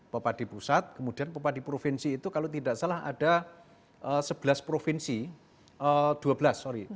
papadi pusat kemudian papadi provinsi itu kalau tidak salah ada dua belas provinsi